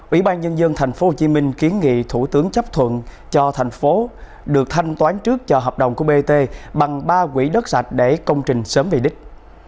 ủy ban nhân dân tp hcm kiến nghị thủ tướng chấp thuận cho thành phố được thanh toán trước cho hợp đồng của bt bằng ba quỹ đất sạch để công trình sớm về đích